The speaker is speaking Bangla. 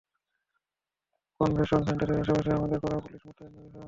কনভেনশন সেন্টারের আশেপাশে আমাদের কড়া পুলিশ মোতায়েন রয়েছে।